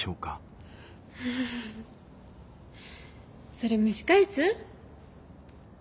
それ蒸し返す？